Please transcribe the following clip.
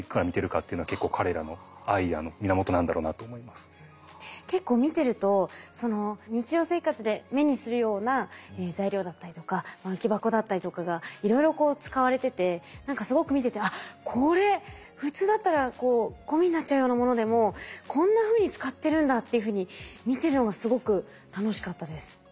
すごくロボコンで大切なんですけど結構見てると日常生活で目にするような材料だったりとか空き箱だったりとかがいろいろこう使われてて何かすごく見ててこれ普通だったらゴミになっちゃうようなものでもこんなふうに使ってるんだっていうふうに見てるのがすごく楽しかったです。